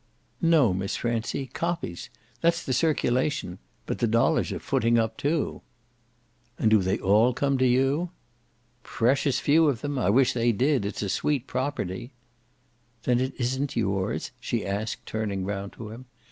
"No, Miss Francie, copies. That's the circulation. But the dollars are footing up too." "And do they all come to you?" "Precious few of them! I wish they did. It's a sweet property." "Then it isn't yours?" she asked, turning round to him.